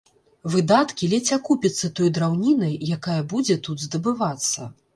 Выдаткі ледзь акупяцца той драўнінай, якая будзе тут здабывацца.